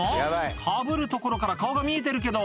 かぶるところから顔が見えてるけど